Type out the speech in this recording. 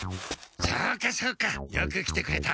そうかそうかよく来てくれた。